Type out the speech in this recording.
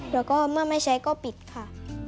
แล้วก็เมื่อไม่ใช้ก็ปิดค่ะ